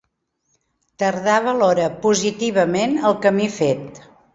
Tardà valora positivament el camí fet.